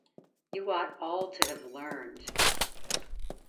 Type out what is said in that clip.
You ought all to have learned.